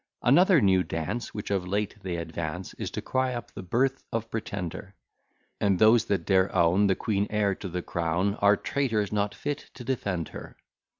Another new dance, Which of late they advance, Is to cry up the birth of Pretender, And those that dare own The queen heir to the crown, Are traitors, not fit to defend her.